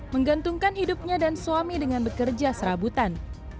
menggantungkan hidupnya dan suami dengan bekerja serabutan